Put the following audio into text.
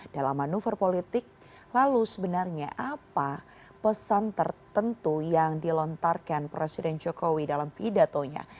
dalam manuver politik lalu sebenarnya apa pesan tertentu yang dilontarkan presiden jokowi dalam pidatonya